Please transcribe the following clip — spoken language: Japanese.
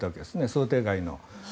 想定外の。